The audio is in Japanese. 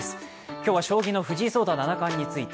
今日は将棋の藤井聡太七冠について。